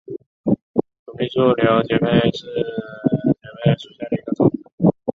土蜜树瘤节蜱为节蜱科瘤节蜱属下的一个种。